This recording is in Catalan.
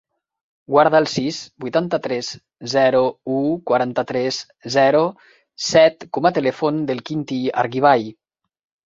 Guarda el sis, vuitanta-tres, zero, u, quaranta-tres, zero, set com a telèfon del Quintí Argibay.